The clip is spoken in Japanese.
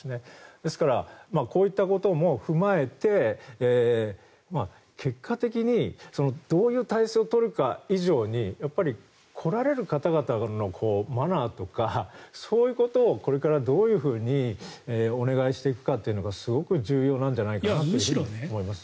ですからこういったことも踏まえて結果的にどういう体制を取るか以上にやっぱり来られる方々のマナーとかそういうことをこれからどうお願いしていくかというのがすごく重要なんじゃないかなと思います。